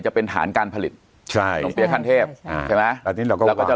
จะเป็นฐานการผลิตใช่ที่ปีเตฯฮะใช่ไหมอันนี้เราก็วางแล้วก็จะ